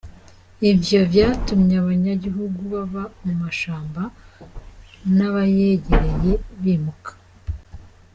Ivyo vyatumye abanyagihugu baba mu mashamba n'abayegereye bimuka.